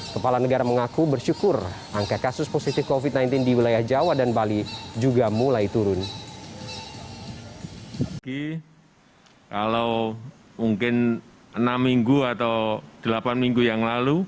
kepala negara mengaku bersyukur angka kasus positif covid sembilan belas di wilayah jawa dan bali juga mulai turun